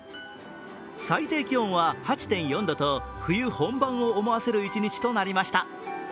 最低気温は８．４度と冬本番を思わせる一日となりました。